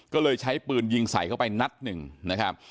ก็เลยใช้ปืนยิงใส่เข้าไปนัดหนึ่งนะครับ